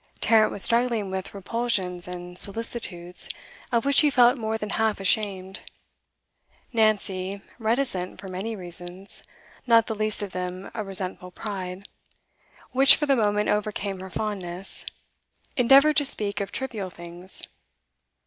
Tarrant was struggling with repulsions and solicitudes of which he felt more than half ashamed; Nancy, reticent for many reasons, not the least of them a resentful pride, which for the moment overcame her fondness, endeavoured to speak of trivial things.